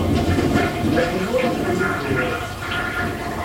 D aḥullu i yettḥullu deg wawal.